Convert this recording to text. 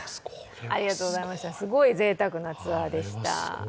すごいぜいたくなツアーでした。